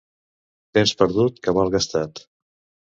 Temps perdut, cabal gastat.